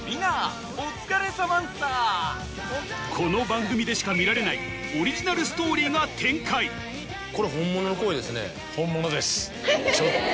この番組でしか見られないオリジナルストーリーが展開本物です。